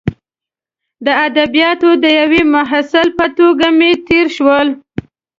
د ادبیاتو د یوه محصل په توګه مې تیر شول.